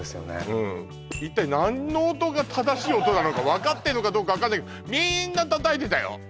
うん一体何の音が正しい音なのか分かってんのかどうか分かんないけどみんな叩いてたよ